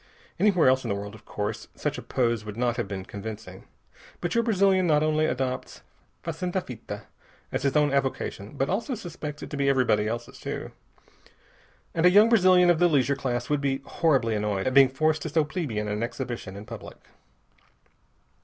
Anywhere else in the world, of course, such a pose would not have been convincing. But your Brazilian not only adopts fazenda fita as his own avocation, but also suspects it to be everybody else's too. And a young Brazilian of the leisure class would be horribly annoyed at being forced to so plebeian an exhibition in public.